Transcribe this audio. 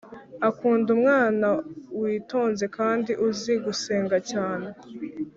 Akunda umwana witonze kandi uzi gusenga cyane